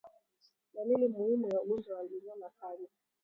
Dalili muhimu ya ugonjwa wa ndigana kali